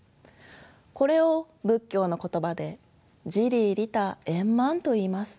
これを仏教の言葉で「自利利他円満」といいます。